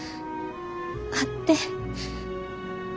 会って。